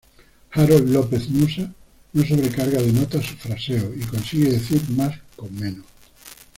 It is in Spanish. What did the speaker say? Harold López-Nussa, no sobrecarga de notas sus fraseos y consigue decir más con menos.